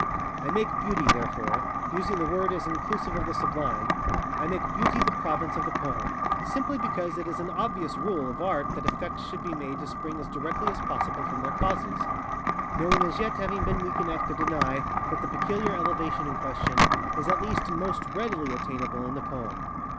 I make Beauty, thereforeŌĆöusing the word as inclusive of the sublimeŌĆöI make Beauty the province of the poem, simply because it is an obvious rule of Art that effects should be made to spring as directly as possible from their causes:ŌĆöno one as yet having been weak enough to deny that the peculiar elevation in question is at least _most readily _attainable in the poem.